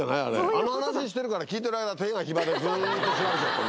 あの話してるから聞いてる間手が暇でずっと調べちゃって。